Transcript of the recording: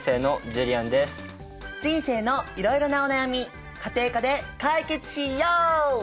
人生のいろいろなお悩み家庭科で解決しよう！